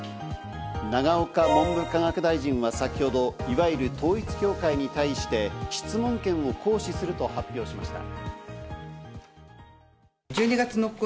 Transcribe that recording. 永岡文部科学大臣は先ほど、いわゆる統一教会に対して、質問権を行使すると発表しました。